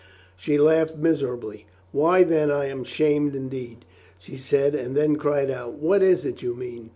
She laughed miserably. "Why, then I am shamed indeed," she said and then cried out. "What is it you mean